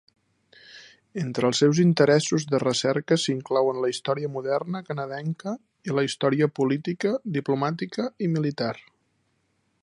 Entre els seus interessos de recerca s'inclouen la història moderna canadenca i la història política, diplomàtica i militar.